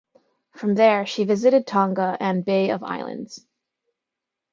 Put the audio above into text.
From there she visited Tonga and Bay of Islands.